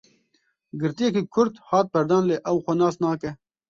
Girtiyekî Kurd hat berdan lê ew xwe nas nake.